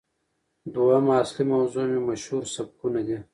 دويمه اصلي موضوع مې مشهورسبکونه دي